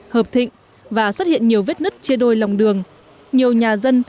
hợp thịnh và xuất hiện nhiều vết nứt chia đôi lòng đường nhiều nhà dân